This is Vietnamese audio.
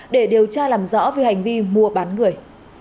để điều tra làm rõ về hành vi mua bán người